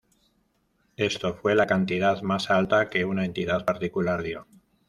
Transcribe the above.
Esto fue la cantidad más alta que una entidad particular dio.